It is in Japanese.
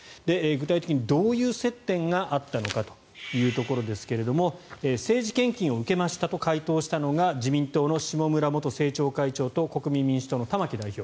具体的にどういう接点があったのかというところですが政治献金を受けましたと回答したのが自民党の下村元政調会長と国民民主党の玉木代表。